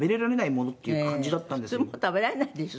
食べられないでしょ